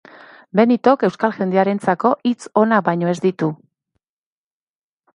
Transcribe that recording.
Benitok euskal jendearentzako hitz onak baino ez ditu.